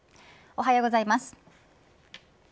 おはようございます。